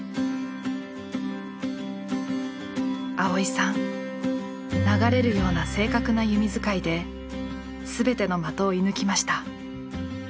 蒼依さん流れるような正確な弓づかいで全ての的を射ぬきました。